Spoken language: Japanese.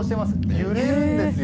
揺れるんですよ。